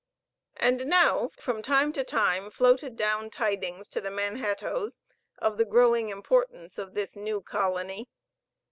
And now, from time to time, floated down tidings to the Manhattoes of the growing importance of this new colony.